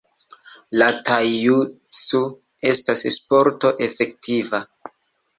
La Tai-Jutsu estas sporto efektiva.